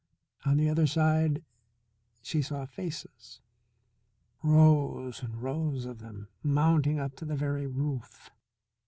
On the other side she saw faces, rows and rows of them mounting up to the very roof.